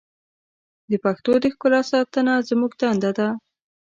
د پښتو د ښکلا ساتنه زموږ دنده ده.